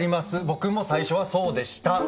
僕も最初はそうでした。